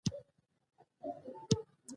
مه شرمېږه راځه خپل کور دي دی